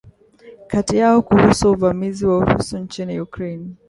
kati yao kuhusu uvamizi wa Urusi nchini Ukraine